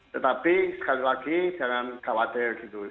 tetapi sekali lagi jangan khawatir gitu